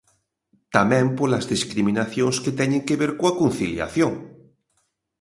Tamén polas discriminacións que teñen que ver coa conciliación.